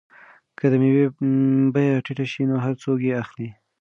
که د مېوو بیه ټیټه شي نو هر څوک یې اخلي.